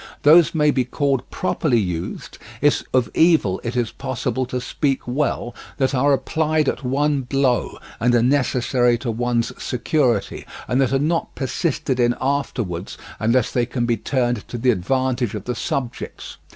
Those may be called properly used, if of evil it is possible to speak well, that are applied at one blow and are necessary to one's security, and that are not persisted in afterwards unless they can be turned to the advantage of the subjects.